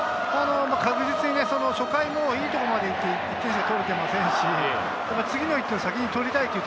確実に初回いいところまで行って１点しか取れていませんし、次の１点を先に取りたい。